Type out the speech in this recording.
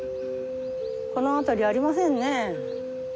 この辺りありませんね。